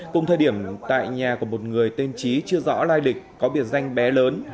cùng thời điểm tại nhà của một người tên trí chưa rõ lai lịch có biệt danh bé lớn